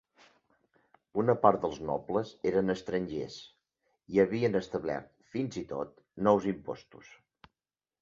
Una part dels nobles eren estrangers, i havien establert fins i tot nous impostos.